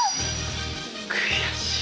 悔しい！